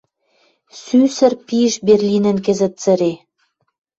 Сӱсӹр пиш Берлинӹн кӹзӹт цӹре